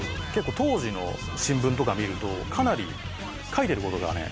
当時の新聞とか見るとかなり書いてる事がね違うんですよ